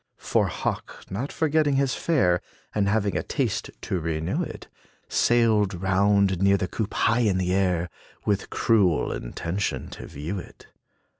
For Hawk, not forgetting his fare, And having a taste to renew it, Sailed round near the coop, high in air, With cruel intention, to view it.